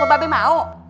apa be mau